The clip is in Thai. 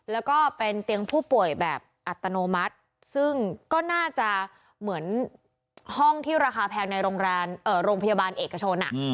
แล้วก็เป็นเตียงผู้ป่วยแบบอัตโนมัติซึ่งก็น่าจะเหมือนห้องที่ราคาแพงในโรงพยาบาลเอกชน